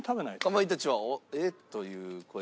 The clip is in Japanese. かまいたちはえっ！という声が。